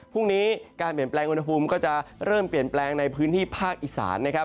พรุ่งนี้การเปลี่ยนแปลงอุณหภูมิก็จะเริ่มเปลี่ยนแปลงในพื้นที่ภาคอีสานนะครับ